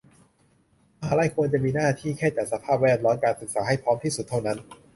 มหาลัยควรจะมีหน้าที่แค่จัดสภาพแวดล้อมการศึกษาให้พร้อมที่สุดเท่านั้น